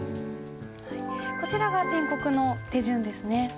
こちらが篆刻の手順ですね。